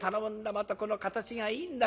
またこの形がいいんだ。